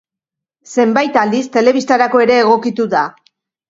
Zenbait aldiz telebistarako ere egokitu da.